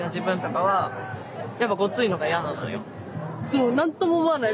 そう何とも思わない。